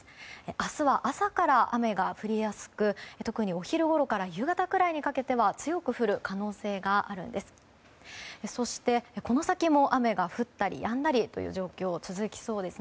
明日は朝から雨が降りやすく特に、お昼ごろから夕方くらいにかけては強く降る可能性があるんです。